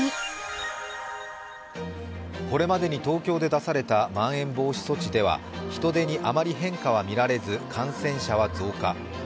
これまでに東京で出されたまん延防止措置では人出にあまり変化は見られず感染者は増加。